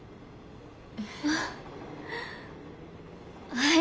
はい。